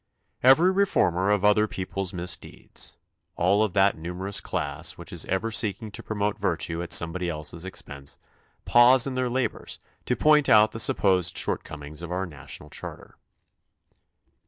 Every reformer of other people's misdeeds — all of that numerous class which is ever seeking to promote virtue at somebody else's expense — pause in their labors to point out the sup posed shortcomings of our national charter.